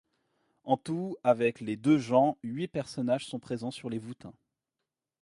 En tout, avec les deux Jean, huit personnages sont présents sur les voûtains.